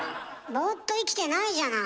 ボーっと生きてないじゃない。